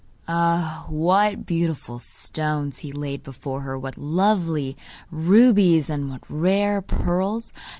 Oh! what beautiful stones he laid before her; what lovely rubies, and what rare pearls!